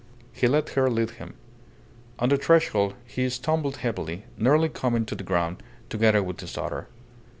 He let her lead him. On the threshold he stumbled heavily, nearly coming to the ground together with his daughter.